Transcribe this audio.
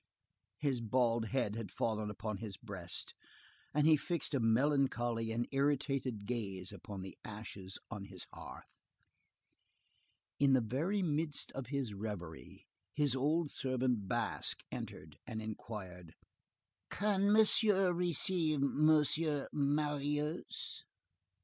His bald head had fallen upon his breast, and he fixed a melancholy and irritated gaze upon the ashes on his hearth. In the very midst of his reverie, his old servant Basque entered, and inquired:— "Can Monsieur receive M. Marius?"